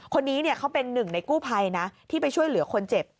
คนนี้เขาเป็นหนึ่งในกู้ภัยนะที่ไปช่วยเหลือคนเจ็บ